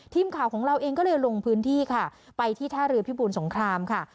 ทีมข่าวของเราเองก็เลยลงพื้นที่ค่ะไปที่ท่าเรือพิบูรสงครามค่ะ